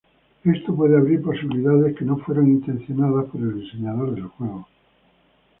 Esto puede abrir posibilidades que no fueron intencionales por el diseñador del juego.